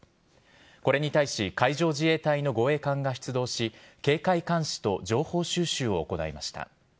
これに対し海上自衛隊の護衛艦が出動し警戒監視と情報収集を行いました。